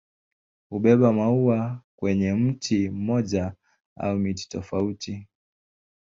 Hubeba maua kwenye mti mmoja au miti tofauti.